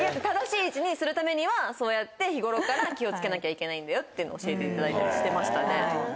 正しい位置にするためにはそうやって日頃から気を付けなきゃいけないんだよっていうのを教えていただいたりしてましたね。